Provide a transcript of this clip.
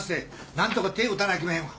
何とか手打たなあきまへんわ。